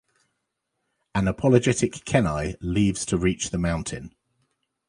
An apologetic Kenai leaves to reach the mountain.